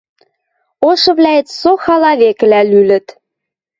Ошывлӓэт со хала векӹлӓ лӱлӹт.